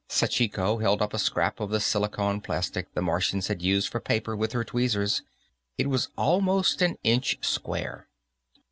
Sachiko held up a scrap of the silicone plastic the Martians had used for paper with her tweezers. It was almost an inch square.